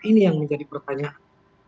ini yang menjadi pertanyaan